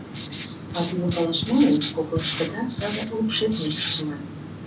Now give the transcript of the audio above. А тидым палаш манын, коклашкыда саде лупшетым йыштыман.